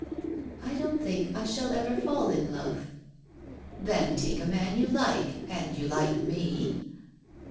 "I don't think I shall ever fall in love." "Then take a man you like — and you like me?"